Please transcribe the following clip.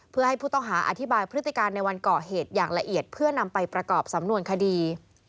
เพื่อให้ผู้ต้องหาอธิบายพฤติการในวันก่อเหตุอย่างละเอียดเพื่อนำไปประกอบสำนวนคดี